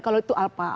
kalau itu apa